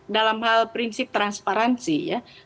dalam hal prinsip transparansi ya